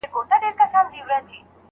هغه خو هغه کوي، هغه خو به دی نه کوي